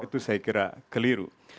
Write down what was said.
itu saya kira keliru